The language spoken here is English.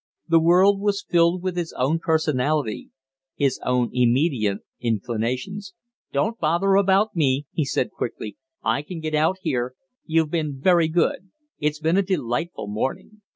The world was filled with his own personality, his own immediate inclinations. "Don't bother about me!" he said, quickly. "I can get out here. You've been very good. It's been a delightful morning."